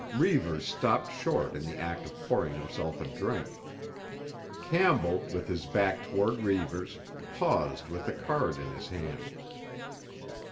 Reivers stopped short in the act of pouring himself a drink. Campbell, with his back toward Reivers, paused with a card in his hand.